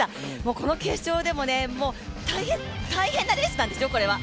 この決勝でも、大変なレースなんですよ、これは。